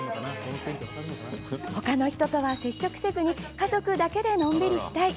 他の人とは接触せずに家族だけでのんびりしたい。